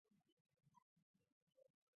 殿试登进士第二甲第六十八名。